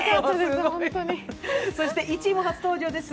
そして１位も初登場です。